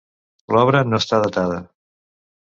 L'obra no està datada.